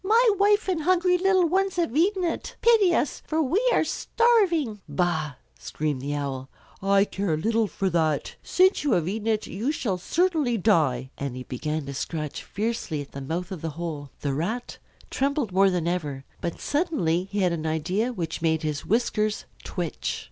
My wife and hungry little ones have eaten it. Pity us, for we were starving!" "Bah!" screamed the Owl, "I care little for that. It is for my dinner alone that I care. Since you have eaten it you shall certainly die," and he began to scratch fiercely at the mouth of the hole. The Rat trembled more than ever. But suddenly he had an idea which made his whiskers twitch.